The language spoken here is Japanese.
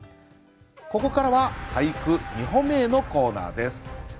ここからは「俳句、二歩目へ」のコーナーです。